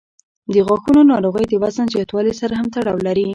د غاښونو ناروغۍ د وزن زیاتوالي سره هم تړاو لري.